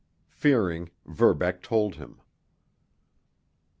Fearing, Verbeck told him.